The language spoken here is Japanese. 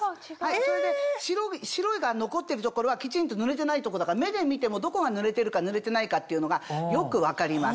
それで白いのが残ってる所はきちんと塗れてない所だから目で見てもどこが塗れてるか塗れてないかっていうのがよく分かります。